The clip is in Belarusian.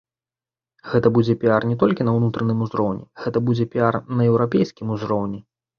Гэта будзе піяр не толькі на ўнутраным узроўні, гэта будзе піяр на еўрапейскім узроўні.